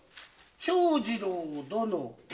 「長次郎殿へ」。